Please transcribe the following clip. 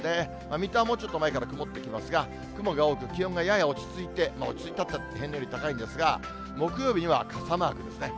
水戸はもうちょっと前から曇ってきますが、雲が多く、気温がやや落ち着いて、落ち着いたと言ったって、平年より高いんですが、木曜日には傘マークですね。